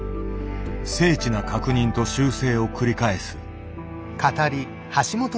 精緻な確認と修正を繰り返す。